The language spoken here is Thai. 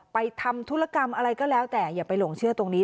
ทำธุรกรรมอะไรก็แล้วแต่อย่าไปหลงเชื่อตรงนี้